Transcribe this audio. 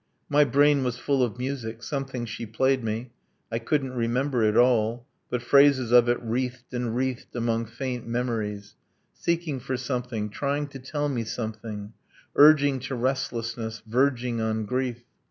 My brain was full of music something she played me ; I couldn't remember it all, but phrases of it Wreathed and wreathed among faint memories, Seeking for something, trying to tell me something, Urging to restlessness: verging on grief.